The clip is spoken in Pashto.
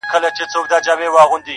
• د مغان د پیر وصیت مي دی په غوږ کي -